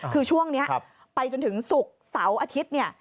คือช่วงนี้ไปจนถึงศุกร์เสาร์อาทิตย์เนี่ย